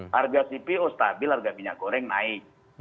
harga cpo stabil harga minyak goreng naik